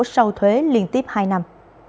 lộ sâu thuế liên tiếp hai năm